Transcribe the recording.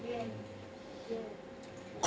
คุณพูดไว้แล้วตั้งแต่ต้นใช่ไหมคะ